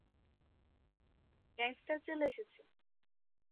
Gangster চলে এসেছে।